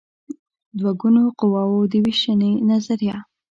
د دوه ګونو قواوو د وېشنې نظریه